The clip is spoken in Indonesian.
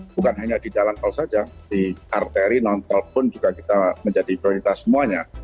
bukan hanya di jalan tol saja di arteri non tol pun juga kita menjadi prioritas semuanya